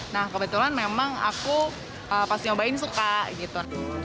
nah kebetulan memang aku pas nyobain suka gitu